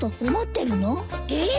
えっ？